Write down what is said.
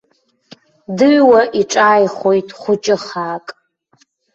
Дыҩуа иҿааихоит хәыҷы хаак.